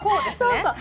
そうそう。